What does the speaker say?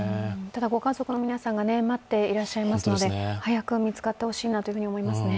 ただご家族の皆さんが待っていらっしゃいますので早く見つかってほしいなと思いますね。